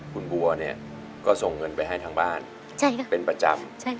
คุณบัวเนี่ยก็ส่งเงินไปให้ทางบ้านเป็นประจำ